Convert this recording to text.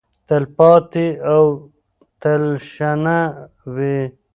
تلپاتې او تلشنه وي.